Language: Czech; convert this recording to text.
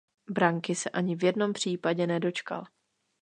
Branky se ani v jednom případě nedočkal.